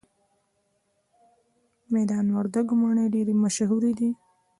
د میدان وردګو مڼې ډیرې مشهورې دي